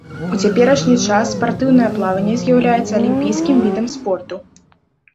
У цяперашні час спартыўнае плаванне з'яўляецца алімпійскім відам спорту.